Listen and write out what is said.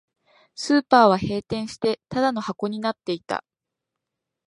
スーパーは閉店して、ただの箱になっていた